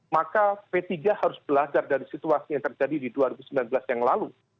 maka p tiga harus belajar dari situasi yang terjadi di dua ribu sembilan belas yang lalu